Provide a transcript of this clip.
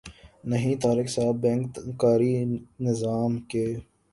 نہیں طارق صاحب بینک کاری نظام کے